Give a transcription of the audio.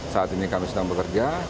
saat ini kami sedang bekerja